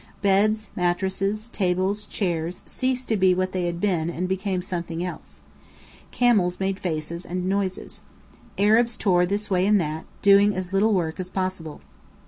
Beds, mattresses, tables, chairs ceased to be what they had been and became something else. Camels made faces and noises. Arabs tore this way and that, doing as little work as possible.